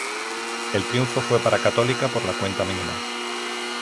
El triunfo fue para Católica por la cuenta mínima.